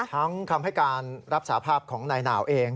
คำให้การรับสาภาพของนายหนาวเอง